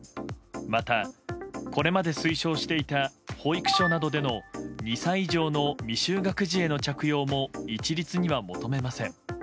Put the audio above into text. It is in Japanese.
また、これまで推奨していた保育所などでの２歳以上の未就学児への着用も一律には求めません。